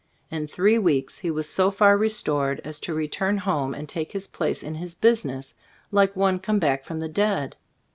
In three weeks he was so far restored as to return home and take his place in his business, like one come back from the dead.